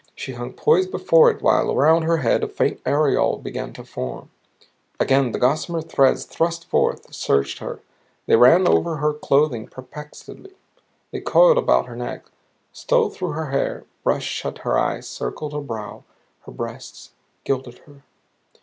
She hung poised before it while around her head a faint aureole began to form. Again the gossamer threads thrust forth, searched her. They ran over her rough clothing perplexedly. They coiled about her neck, stole through her hair, brushed shut her eyes, circled her brow, her breasts, girdled her.